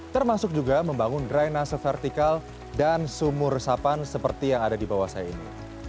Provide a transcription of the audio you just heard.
termasuk juga membangun drainase vertikal dan sumur resapan seperti yang ada di bawah saya ini